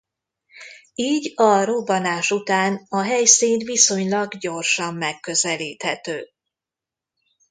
Így a robbanás után a helyszín viszonylag gyorsan megközelíthető.